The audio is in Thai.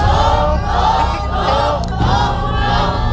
ครบ